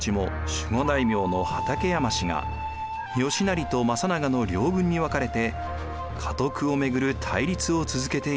守護大名の畠山氏が義就と政長の両軍に分かれて家督をめぐる対立を続けていました。